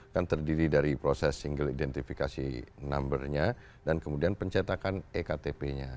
kan terdiri dari proses single identifikasi numbernya dan kemudian pencetakan ektp nya